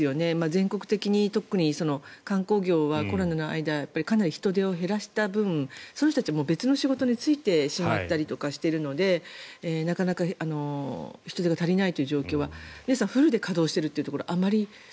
全国的に特に観光業はコロナの間かなり人手を減らした分その人たちは別の仕事に就いてしまったりとかしているのでなかなか人手が足りないという状況は皆さん、フルで稼働しているところはあまり。